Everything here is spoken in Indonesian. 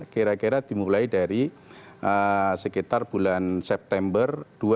kira kira dimulai dari sekitar bulan september dua ribu dua puluh